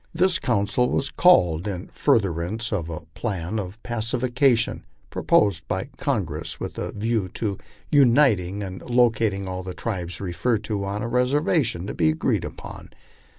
This council was called in furtherance of a plan of pacification proposed by Congress with a view to uniting and locat ing all the tribes referred to on a reservation to be agreed upon.